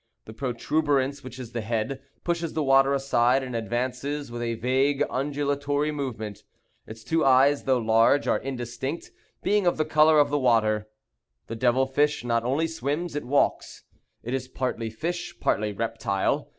The protuberance, which is the head, pushes the water aside and advances with a vague undulatory movement. Its two eyes, though large, are indistinct, being of the color of the water. The devil fish not only swims, it walks. It is partly fish, partly reptile.